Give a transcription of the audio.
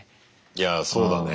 いやぁそうだね。